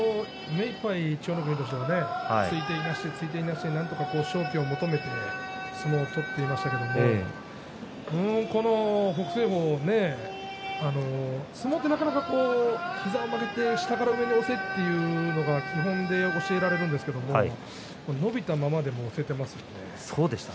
目いっぱい千代の国としては突いていなして突いていなして、なんとか勝機を求めて相撲を取っていましたけれどもこの北青鵬、相撲ってなかなか膝を曲げて下から上に押せというのが基本で教えられるんですけれども伸びたままでも押していますよね。